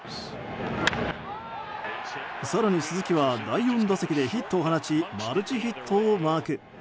更に鈴木は第４打席でヒットを放ちマルチヒットをマーク。